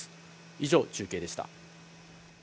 以上、中継でした。